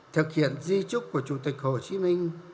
thực hiện di trúc của chủ tịch hồ chí minh